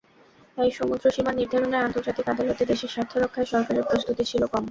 তাই সমুদ্রসীমা নির্ধারণে আন্তর্জাতিক আদালতে দেশের স্বার্থ রক্ষায় সরকারের প্রস্তুতি ছিল কম।